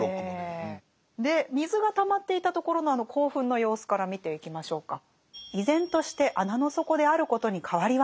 ええ。で水がたまっていたところのあの興奮の様子から見ていきましょうか。